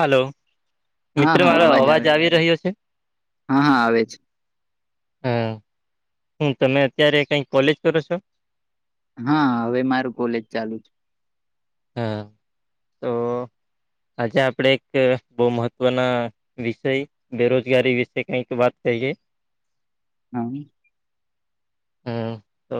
Hello હા મિત્રો હા મારો અવાજ આવે છે. આવી રહ્યો છે હા હા આવે છે હા હું તમે અત્યારે કઈ કોલેજ કરો છો હા હવે મારું કોલેજ ચાલુ છે હા તો આજે આપડે એક બહુ મહત્વના વિષય બેરોજગારી વિશે કઈક વાત કહીએ હમ હમ્મ તો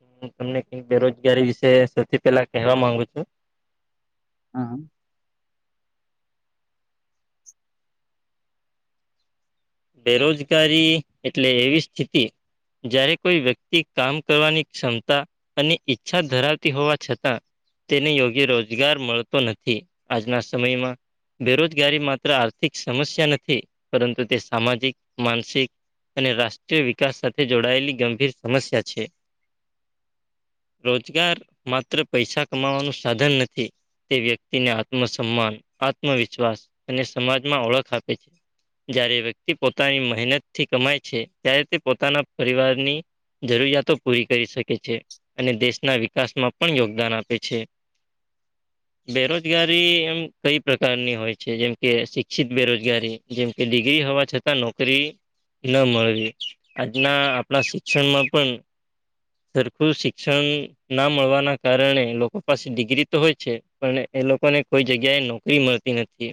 હું તમને કક બેરોજગારી વિશે સૌથી પેલા કહેવા માંગુ છું હમ્મ બેરોજગારી એટલે એવી સ્થિતિ જ્યારે કોઈ વ્યક્તિ કામ કરવાની ક્ષમતા અને ઈચ્છા ધરાવતી હોવા છતાં તેને યોગ્ય રોજગાર મળતો નથી આજના સમયમાં બેરોજગારી માત્ર આર્થિક સમસ્યા નથી પરંતુ તે સામાજિક માનસિક અને રાષ્ટ્રીય વિકાસ સાથે જોડાયેલી ગંભીર સમસ્યા છે રોજગાર માત્ર પૈસા કમાવાનું સાધન નથી તે વ્યક્તિને આત્મસન્માન આત્મવિશ્વાસ અને સમાજમાં ઓળખ આપે છે જયારે વ્યક્તિ પોતાની મહેનત થી કમાય છે ત્યારે તે પોતાના પરિવારની જરૂરિયાતો પૂરી કરી શકે છે અને દેશના વિકાસમાં પણ યોગદાન આપે છે બેરોજગારી એમ કઈ પ્રકારની હોય છે જેમકે શિક્ષિત બેરોજગારી જેમકે ડિગ્રી હોવા છતાં નોકરી ન મળવી આજના આપણા શિક્ષણમાં પણ સરખું શિક્ષણ ના મળવાના કારણે લોકો પાસે ડિગ્રી તો હોય છે પણ એ લોકોને કોઈ જગ્યાએ નોકરી મળતી નથી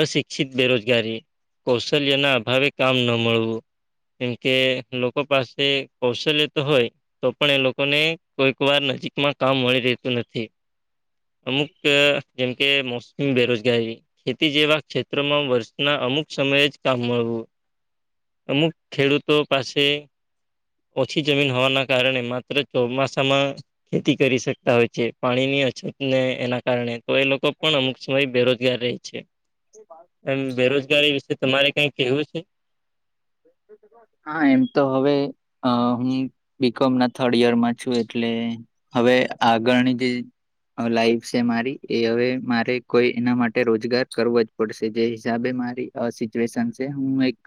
અશિક્ષિત બેરોજગારી કૌશલ્ય ના અભાવે કામ ન મળવું. કેમ કે લોકો પાસે કૌશલ્ય તો હોય તો પણ એ લોકોને કોઈક વાર નજીકમાં કામ મળી રહેતું નથી અમુક જેમકે મોસ્ટ બેરોજગારી ખેતી જેવા ક્ષેત્રોમાં વર્ષના અમુક સમયે જ કામ મળવું અમુક ખેડૂતો પાસે ઓછી જમીન હોવાના કારણે માત્ર ચોમાસામાં ખેતી કરી શકતા હોય છે પાણીની અછતને એના કારણે તો એ લોકો પણ અમુક સમય બેરોજગાર રહે છે એમ બેરોજગારી વિશે તમારે કઈ કેવું છે હા એમ તો હવે હું બીકોમ ના થર્ડ યરમાં છું એટલે હવે આગળની જે લાઈફ છે મારી એ હવે મારે કોઈ એના માટે રોજગાર કરવો જ પડશે જે હિસાબે મારી આ સીટ્યુશન છે હું એક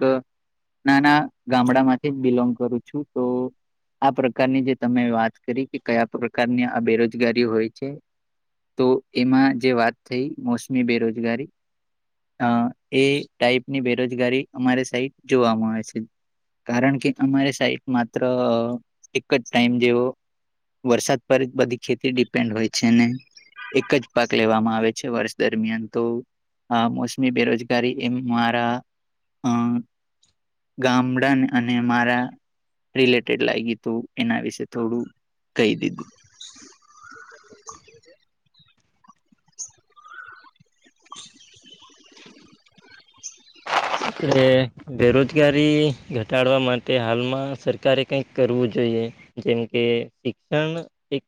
નાના ગામડા માંથી જ બિલોંગ કરું છું તો આ પ્રકારની જે તમે વાત કરી કે કયા પ્રકારની આ બેરોજગારી હોય છે તો એમાં જે વાત થઈ મોસમી બેરોજગારી અ એ ટાઈપ ની બેરોજગારી અમારી સાઈટ જોવામા આવે છે કારણ કે અમારે સાઈટ માત્ર એક જ ટાઈમ જેવો વરસાદ પર જ બધી ખેતી ડિપેન્ડ હોય છે ને એક જ પાક લેવામાં આવે છે વર્ષ દરમિયાન તો હ મોસમી બેરોજગારી એમ મારા અ ગામડાન અને મારા રિલેટેડ લાગી તો એના વિશે થોડું કહી દીધું [inaudible] એ બેરોજગારી ઘટાડવા માટે હાલમાં સરકારે કઈક કરવું જોઈએ જેમ કે શિક્ષણ એક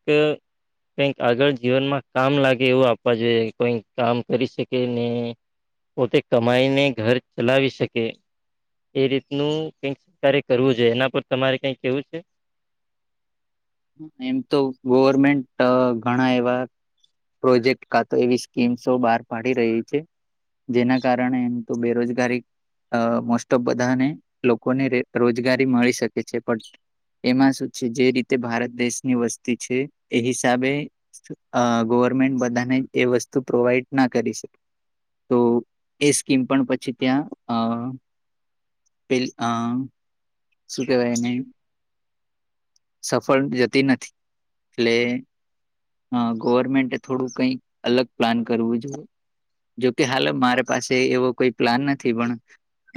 કઈક આગળ જીવનમાં કામ લાગે એવું આપવા જોઈએ કોઈક કામ કરી શકે ને પોતે કમાઈને ઘર ચલાવી શકે એ રીતનું કઈક સરકારે કરવું જોઈએ એના પર તમારે કઈ કેવું છે? દીધું એમ તો ગવર્મેન્ટ ઘણા એવા પ્રોજેક્ટ કા વતો એવી સ્કીમસો બહાર પાડી રહી છે. જેના કારણે એમ તો બેરોજગારી અ મોસ્ટ ઓફ બધાને લોકોને રોજગારી મળી શકે છે, પણ એમાં શું છે જે રીતે ભારત દેશની વસ્તી છે એ હિસાબે ગવર્મેન્ટ બધાને એ વસ્તુ પ્રોવાઈડ ના કરી શકે. તો એ સ્કીમ પણ પછી ત્યાં અ પેલ અહ શું કહેવાય એને સફળ જતી નથી એટલે હા ગવર્મેન્ટે થોડું કઈક અલગ પ્લાન કરવું જોઈએ. જોકે હાલ મારે પાસે એવો કોઈ પ્લાન નથી પણ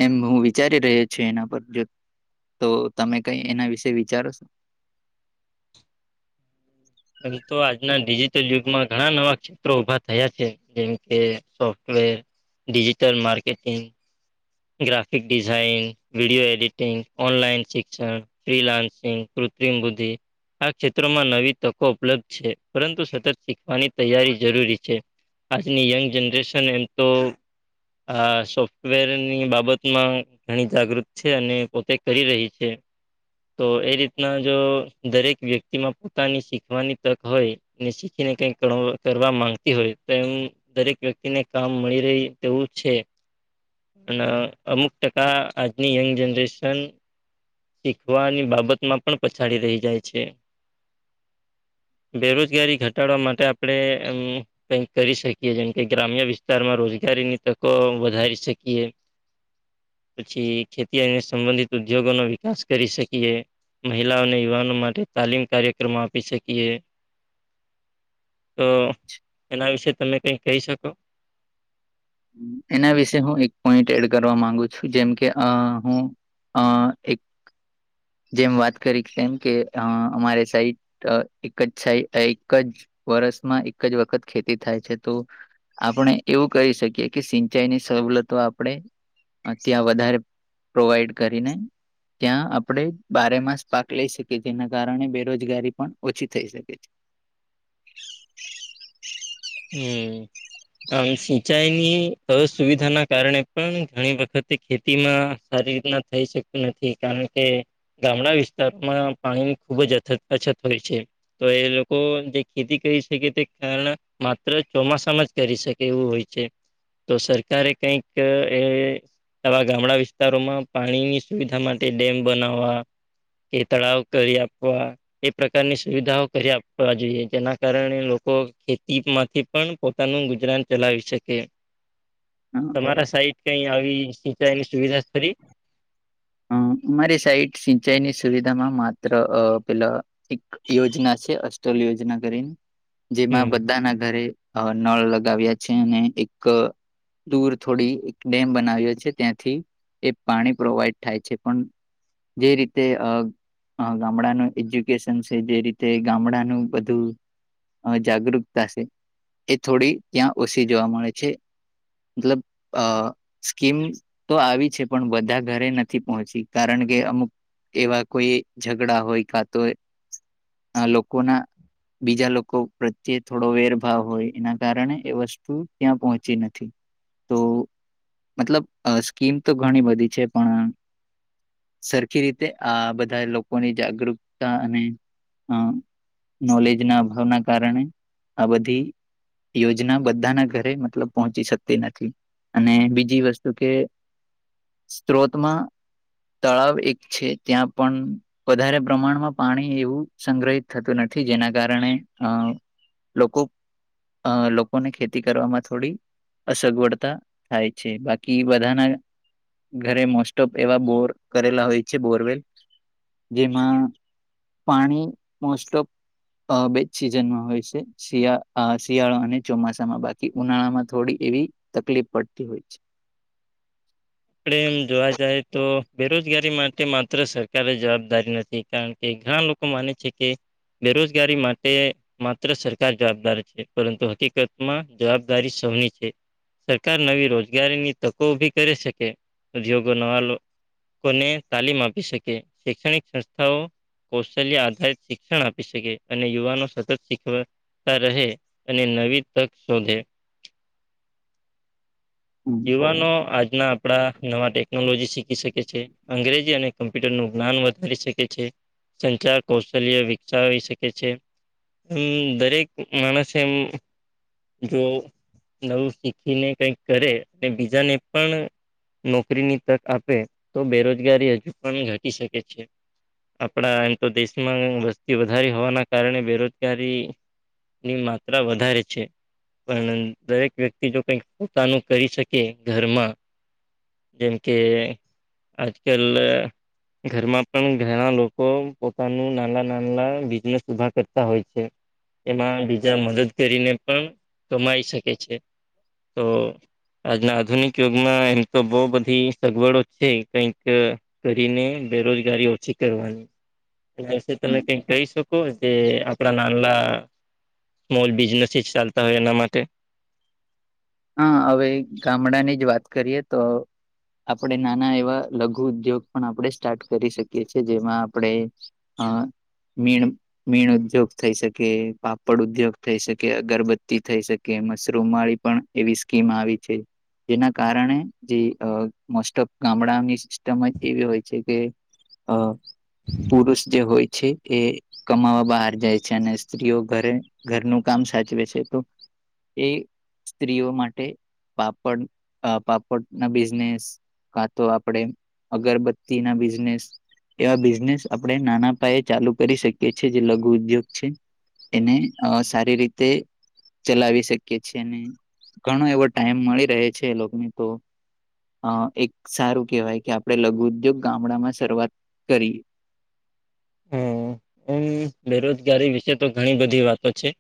એમ હું વિચારી રહ્યો છું એના પ્રત્ય તો તમે કઈ એના વિશે વિચારો છો. [inaudible] એમ તો આજના ડિજિટલ યુગમાં ઘણા નવા ક્ષેત્રો ઉભા થયા છે, જેમ કે software digital marketing graphic design, video editing, online શિક્ષણ, ફ્રીલાન્સિંગ [unintelligible] આ ક્ષેત્રોમાં નવી તકો ઉપલબ્ધ છે, પરંતુ સતત શીખવાની તૈયારી જરૂરી છે. આજની યંગ જનરેશન એમ તો સોફ્ટવેર ની બાબતમાં ઘણી જાગૃત છે, અને પોતે કરી રહી છે. તો એ રીતના જો દરેક વ્યક્તિમાં પોતાની શીખવાની તક હોય શીખ ક કરવા માંગતી હોય તો એમ દરેક વ્યક્તિ ને કામ મળી રહી તેવું છે. અને અમુક ટકા આજની યંગ જનરેશન શીખવાની બાબતમાં પણ પછાડી રહી જાય છે. બેરોજગારી ઘટાડવા માટે આપણે એમ કઈક કરી શકીએ જેમ કે ગ્રામ્ય વિસ્તારમાં રોજ રોજગારીની તકો વધારી શકીએ. પછી ખેતી સંબંધિત ઉદ્યોગો ન [unintelligible] કરી શકીએ મહિલાઓ અને યુવાનો માટે તાલીમ કાર્યક્રમો આપી શકીએ તો એના વિશે તમે કઈ કહી શકો? એના વિશે હું એક પોઈન્ટ એડ કરવા માંગુ છું. જેમ‌ કે, અહ્ હું આ એક જેમ વાત કરી તેમ કે અમારે સાઈડ એક જ સાઈડ લાઈક વર્ષમાં એક જ વખત ખેતી થાય છે તો આપણે એવું કરી શકીએ કે સિંચાઈની સવલતો આપણેે- ત્યાં વધારે પ્રોવાઈડ કરીને ત્યાં આપણે બારે માસ પાક લઈ શકીએ જેના કારણે બેરોજગારી પણ ઓછી થઈ શકે છે. હમ. આમ સિંચાઈની અસુવિધા ના કારણે પણ ઘણી વખતે ખેતીમાં. રીતના થઈ શક્યું નથી કારણ કે ગામડા વિસ્તારોમાં પાણીની ખુબ જ અછત અછત હોય છે તો એ લોકો જે ખેતી કરી શકે તે કારણ માત્ર ચોમાસામાં જ કરી શકે એવું હોય છે. તો સરકારે કંઈક અ એ આવા ગામડા વિસ્તારોમાં પાણીની સુવિધા માટે ડેમ બનાવવા કે તળાવ કરી આપવા એ પ્રકારની સુવિધાઓ કરી આપવા જોઈએ જેના કારણે લોકો ખેતીમાંથી પણ પોતાનું ગુજરાન ચલાવી શકે. હા, તમારા સાઈટ કઈ આવી સિંચાઈની સુવિધા ખરી અ અમારી સાઈટ સિંચાઈની સુવિધામાં માત્ર અ પેલા એક યોજના છે અ યોજના કરીન, જેમાં હમ. બધા ના ઘરે અ નળ લગાવ્યા છે અને એક દૂર થોડી એક ડેમ બનાવ્યો છે ત્યાંથી એ પાણી પ્રોવાઈડ થાય છે પણ જે રીતે અ- હ ગામડાનું એજ્યુકેશન છે જે રીતે ગામડાનું બધું અ જાગૃતતા છે એ થોડી ત્યાં ઓછી જોવા મળે છે. મતલબ અ સ્કીમ તો આવી છે પણ બધા ઘરે ન પહોંચી કારણ કે અમુક એવા કોઈ ઝઘડા હોય કા તોય આ લોકો ના બીજા લોકો પ્રત્યે થોડો વેરભાવ હોય એના કારણે એ વસ્તુ ત્યાં પહોંચી નથી. તો મતલબ અ સ્કીમ તો ઘણી બધી છે પણ સરખી રીતે આ બધા લોકોની જાગૃકતા અને અ નોલેજ ના અભાવના કારણે આ બધી યોજના બધાના ઘરે મતલબ પહોંચી શકતી નથી. અને બીજી વસ્તુ કે સ્ત્રોતમાં તળાવ એક છે ત્યાં પણ વધારે પ્રમાણમાં પાણી એવું સંગ્રહિત થતું નથી. જેના કારણે અ લોકો અ લોકોને ખેતી કરવામાં થોડી- અસગવડતા થાય છે બાકી બધાના ઘરે મોસ એવા બોર કરેલા હોય છે બોરવેલ જેમાં પાણી મોસ્ટસ્ટ ઓફ બેજ સિઝનમાં હોય છે શિયા અ શિયાળો અને ચોમાસામાં બાકી ઉનાળામાં થોડી એવી તકલીફ પડતી હોય છે. આપડે એમ જોવા જાય તો બેરોજગારી માટે માત્ર સરકારે જવાબદારી નથી કારણ કે ઘણા લોકો માને છે કે બેરોજગારી માટે માત્ર સરકાર જવાબદાર છે પરંતુ હકીકતમાં જવાબદારી [unintelligible] સરકાર નવી રોજગારીની તકો ઉભી કરી શકે છે. કે ઉદ્યોગો નવા લોકોને તાલીમ આપી શકે શૈક્ષણિક સંસ્થાઓ કૌશલ્ય આધારિત શિક્ષણ આપી શકે અને યુવાનો સતત શીખવા અ રહે અને નવી તક શોધે. હમ, યુવાનો આજ આપણા નવા ટેકનોલોજી શીખી શકે છે અંગ્રેજી અને કમ્પ્યુટર નું જ્ઞાન વધારી શકે છે. સંચાર કૌશલ્ય વિકસાવી શકે છે. મ દરેક માણસે એમ જો નવું શીખીને કઈક કરે અને બીજાને પણ નોકરીની તક આપે તો બેરોજગારી હજુ પણ ઘટી શકે છે. આપણા એમ તો દેશમાં વસ્તી વધારી હોવાના કારણે બેરોજગારી ની માત્રા વધારે છે પણ દરેક વ્યક્તિ જો કઈક પોતાનું કરી શકે કે ઘરમાં જેમ કે આજ કલ‌અહ્ ઘરમાં પણ ઘણા લોકો પોતાનું નાના નાનાના બિઝનેસ ઉભા કરતા હોય છે. એમાં બીજા મદદ કરીને પણ કમાઈ શકે છે. તો આજના આધુનિક યુગમાં એમ તો બહુ બધી સગવડો છે કઈક કરીને બેરોજગારી ઓછી કરવાની એના વિશે તમે કઈ કઈ શકો તે આપણા નાનલા સ્મોલ બિઝનેસસ ચાલતા હોય એના માટે હા હવે ગામડાની જ વાત કરીએ તો આપણે નાના એવા લઘુ ઉદ્યોગ પણ આપણે સ્ટાર્ટ કરી શકીએ છીએ, જેમાં આપણેે મીણ મીણ ઉદ્યોગ થઈ શકે પાપડ ઉદ્યોગ થઈ શકે અગરબત્તી થઈ શકે. મશરૂમ વાળી પણ એવી સ્કીમ આવી છે. જેના કારણે, જે અ મોસ્ટ ઓફ ગામડાની સિસ્ટમ જ એવી હોય છે કે અ પુરુષ જે હોય છે એ કમાવા બહાર જાય છે અને સ્ત્રીઓ ઘરે ઘરનું કામ સાચવે છે તો એ સ્ત્રીઓ માટે પાપડ પાપડ ના બિઝનેસ કા તો આપણેે અગરબત્તી ના બિઝનેસ એવા બિઝનેસ આપણે નાના પાયે ચાલુ કરી શકીએ છે જે લઘુ ઉદ્યોગ છે એને અ સારી રીતે ચલાવી શકીએ છે અને ઘણો એવો ટાઈમ મળી રહે છે એ લોકોને તો અ એક સારું કેહેવાય કે આપણે લઘુદ્યોગ ગામડામાં શરૂઆત કરીએ હમ્મ એમ બેરોજગારી વિશે તો ઘણી બધી વાતો છે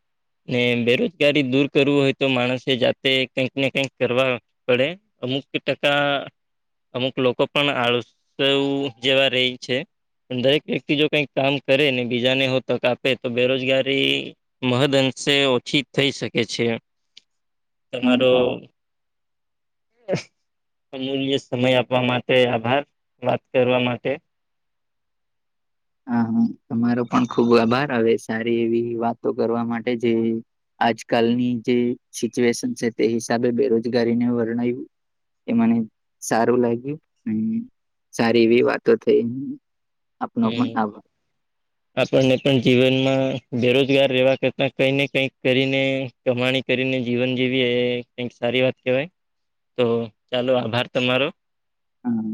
ને બેરોજગારી દૂર કરવું હોય તો માણસે જાતે કંઈક ને કઈક કરવા પડે મુક ટકા અમુક લોકો પણ આળસુ જેવા રહી છે દરેક વ્યક્તિ જો કઈ કામ કરે ને બીજાને હો તક આપે તો બેરોજગારી મહદઅંશે ઓછી થઈ શકે છે. તમારું [inaudible] અમૂલ્ય સમય આપવા માટે આભાર વાત કરવા માટે મારો પણ ખુબ આભાર આવે સારી એવી વાતો કરવા માટે જે આજકાલની જે સિચ્યુએશન છે તે હિસાબે બેરોજગારીને વર્ણ્ય એ મને સારું લાગ્યું અને સારી એવી વાતો થઈ આપનો પણ આભાર. હ આપણને પણ જીવનમાં બેરોજગાર રહેવા કરતા કઈ ને કઈક કરીને કમાણી કરીને જીવન જેવી એ કઈક સારી વાત કેહેવાય તો ચાલો આભાર તમારો હા.